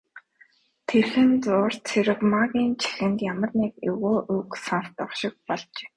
Тэрхэн зуур Цэрэгмаагийн чихэнд ямар нэг эвгүй үг сонстох шиг болжээ.